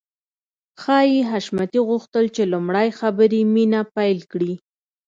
ښايي حشمتي غوښتل چې لومړی خبرې مينه پيل کړي.